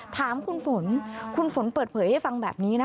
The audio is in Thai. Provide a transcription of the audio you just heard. ถามคุณฝนคุณฝนเปิดเผยให้ฟังแบบนี้นะ